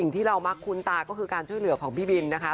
ที่เรามักคุ้นตาก็คือการช่วยเหลือของพี่บินนะคะ